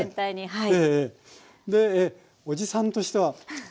はい。